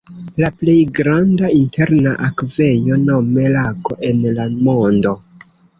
La plej granda interna akvejo nome lago en la mondo.